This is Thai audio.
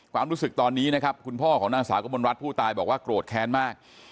ความรู้สึกตอนนี้นะครับคุณพ่อของนางสาวกมลวัดผู้ตายบอกว่าโกรธแค้นมาก